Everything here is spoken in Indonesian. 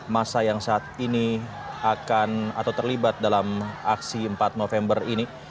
masa yang saat ini akan atau terlibat dalam aksi empat november ini